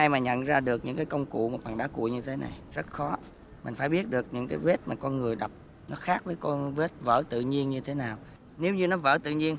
mũi nhọn mũi nhọn tam diện